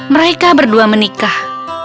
mereka berdua menikah